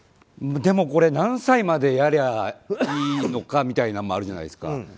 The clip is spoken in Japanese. でも、何歳までやればいいのかみたいなのもあるじゃないですか。